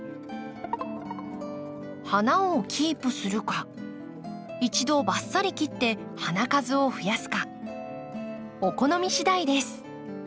花をキープするか一度バッサリ切って花数を増やすかお好みしだいです。